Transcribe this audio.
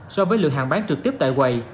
so với lượng hàng bán trực tiếp tại quầy